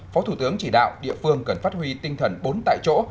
phó thủ tướng chỉ đạo địa phương cần phát huy tinh thần bốn tại chỗ